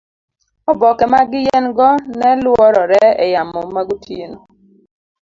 oboke mag yien go neluorore e yamo magotieno